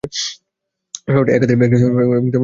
শহরটি একাধারে একটি শহর এবং জার্মানির একটি রাজ্য।